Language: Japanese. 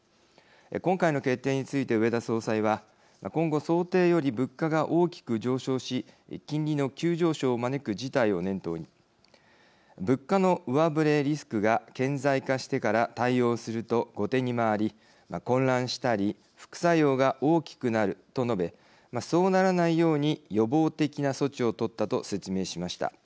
今回の決定について植田総裁は今後想定より物価が大きく上昇し金利の急上昇を招く事態を念頭に「物価の上振れリスクが顕在化してから対応すると後手に回り混乱したり副作用が大きくなる」と述べそうならないように予防的な措置を取ったと説明しました。